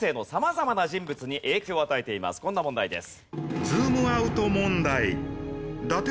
こんな問題です。